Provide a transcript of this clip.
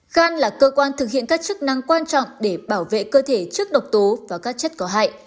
khan là cơ quan thực hiện các chức năng quan trọng để bảo vệ cơ thể trước độc tố và các chất có hại